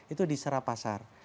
itu di serapasar